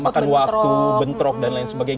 makan waktu bentrok dan lain sebagainya